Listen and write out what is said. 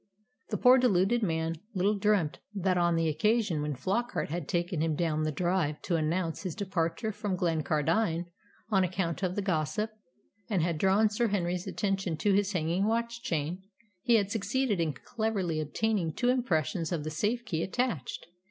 The poor deluded man little dreamt that on the occasion when Flockart had taken him down the drive to announce his departure from Glencardine on account of the gossip, and had drawn Sir Henry's attention to his hanging watch chain, he had succeeded in cleverly obtaining two impressions of the safe key attached.